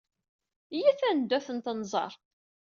Iyyat ad neddu ad tent-nẓer.